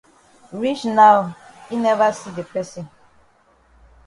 Reach now yi never see the person.